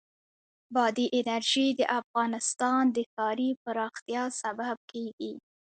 بادي انرژي د افغانستان د ښاري پراختیا سبب کېږي.